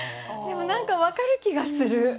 でも何か分かる気がする。